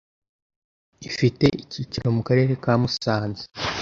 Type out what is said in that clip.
Ifite icyicaro mu Karere ka Musanze